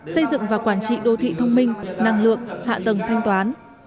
xây dựng và quản trị đô thị thông minh năng lượng hạ tầng thanh toán